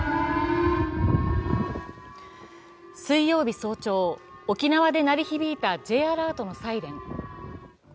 水曜日早朝、沖縄で鳴り響いたＪアラートのサイレン。